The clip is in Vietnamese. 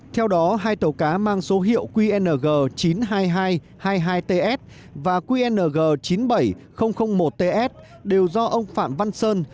theo đó hai tàu cá mang số hiệu qng chín mươi hai nghìn hai trăm hai mươi hai ts và qng chín mươi bảy nghìn một ts đều do ông phạm văn sơn